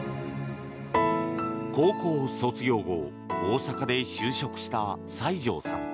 高校卒業後大阪で就職した西條さん。